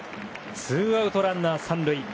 ツーアウトランナー、３塁。